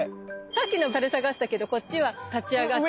さっきの垂れ下がってたけどこっちは立ち上がっててさ。